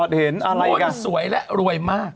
ต้นสวยแล้วรวยมาก